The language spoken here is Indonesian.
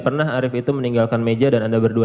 pernah arief itu meninggalkan meja dan anda berdua